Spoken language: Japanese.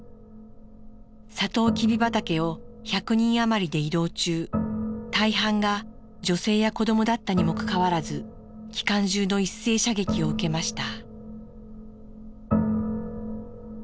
とうきび畑を１００人余りで移動中大半が女性や子どもだったにもかかわらず機関銃の一斉射撃を受けました。